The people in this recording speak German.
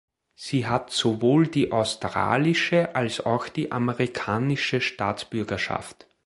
Sie hat sowohl die australische als auch die amerikanische Staatsbürgerschaft.